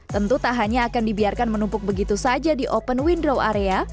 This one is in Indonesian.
tentu tak hanya akan dibiarkan menumpuk begitu saja di open wind row area